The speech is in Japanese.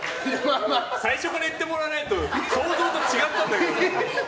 最初から言ってもらわないと想像と違ったんだけど。